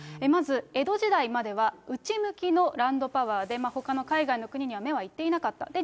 まず江戸時代までは内向きのランドパワーで、ほかの海外の国には目は行っていなかった。